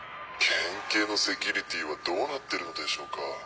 県警のセキュリティーはどうなってるのでしょうか。